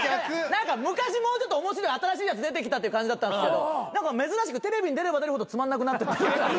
何か昔もうちょっと面白い新しいやつ出てきたって感じだったんですけど珍しくテレビに出れば出るほどつまんなくなってって。